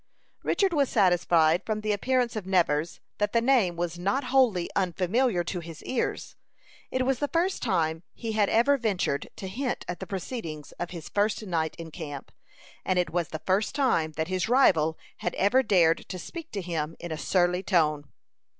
Richard was satisfied from the appearance of Nevers, that the name was not wholly unfamiliar to his ears. It was the first time he had ever ventured to hint at the proceedings of his first night in camp; and it was the first time that his rival had ever dared to speak to him in a surly tone.